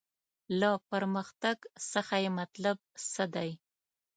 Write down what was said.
له پرمختګ څخه یې مطلب څه دی.